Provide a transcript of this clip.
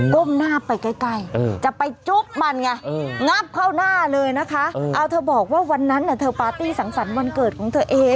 ้มหน้าไปใกล้จะไปจุ๊บมันไงงับเข้าหน้าเลยนะคะเอาเธอบอกว่าวันนั้นเธอปาร์ตี้สังสรรค์วันเกิดของเธอเอง